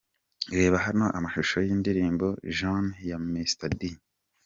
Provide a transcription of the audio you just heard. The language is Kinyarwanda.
Reba hano amashusho y'indirimbo'Jeanne'ya Mr D .